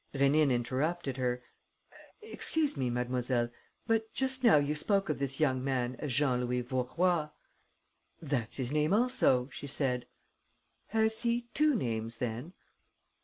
Rénine interrupted her: "Excuse me, mademoiselle, but just now you spoke of this young man as Jean Louis Vaurois." "That's his name also," she said. "Has he two names then?"